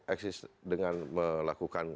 akses dengan melakukan